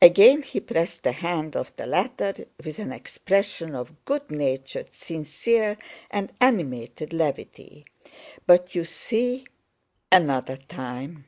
Again he pressed the hand of the latter with an expression of good natured, sincere, and animated levity. "But you see... another time!"